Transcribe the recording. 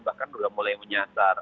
bahkan sudah mulai menyasar